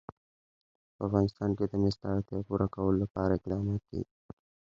په افغانستان کې د مس د اړتیاوو پوره کولو لپاره اقدامات کېږي.